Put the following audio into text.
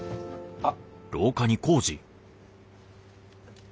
あっ。